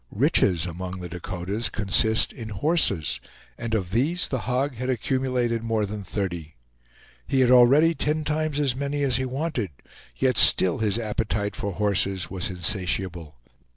Riches among the Dakotas consist in horses, and of these The Hog had accumulated more than thirty. He had already ten times as many as he wanted, yet still his appetite for horses was insatiable.